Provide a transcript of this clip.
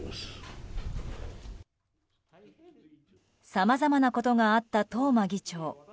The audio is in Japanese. さまざまなことがあった東間議長。